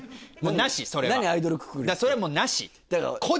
なしそれはもうなし。